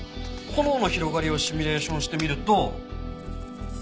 炎の広がりをシミュレーションしてみると。